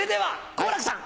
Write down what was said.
好楽さん！